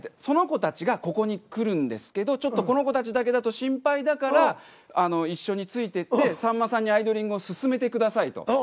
その子たちがここに来るんですけどちょっとこの子たちだけだと心配だから一緒についてってさんまさんに「アイドリング！！！」すすめてくださいと。